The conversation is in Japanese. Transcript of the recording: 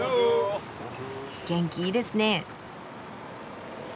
元気いいですね。